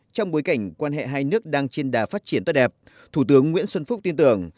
trong bối cảnh quan hệ hai nước đang trên đà phát triển tốt đẹp thủ tướng nguyễn xuân phúc tin tưởng